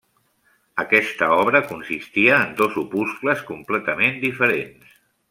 Aquesta obra consistia en dos opuscles completament diferents.